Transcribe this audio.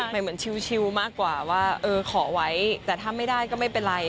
เหมือนชิวมากกว่าว่าเออขอไว้แต่ถ้าไม่ได้ก็ไม่เป็นไร